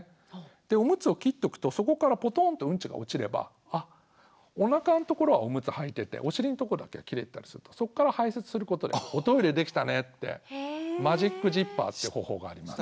でオムツを切っとくとそこからポトンとうんちが落ちればあおなかのところはオムツはいててお尻のところだけは切れてたりするとそっから排泄することで「おトイレできたね」ってマジックジッパーっていう方法があります。